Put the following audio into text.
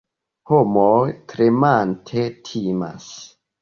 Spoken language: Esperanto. Homoj tremante timas.